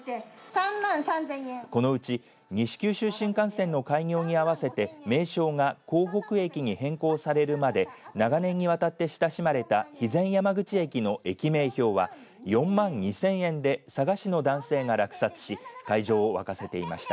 このうち西九州新幹線の開業に合わせて名称が江北駅に変更されるまで長年にわたって親しまれた肥前山口駅の駅名標は４万２０００円で佐賀市の男性が落札し会場を沸かせていました。